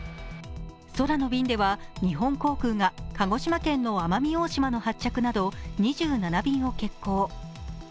空の便では日本航空が鹿児島の奄美群島の発着など２７便を欠航。